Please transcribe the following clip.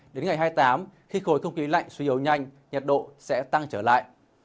đến ngày hai mươi tám khi khối không khí lạnh suy yếu nhanh nhiệt độ sẽ tăng trở lại